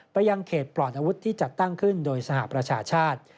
ยังเขตปลอดอาวุธที่จัดตั้งขึ้นโดยสหประชาชาติ